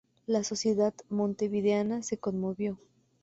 La sociedad montevideana se conmovió.